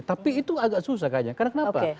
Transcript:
tapi itu agak susah kayaknya karena kenapa